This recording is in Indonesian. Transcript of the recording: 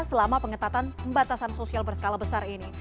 selama pengetatan pembatasan sosial berskala besar ini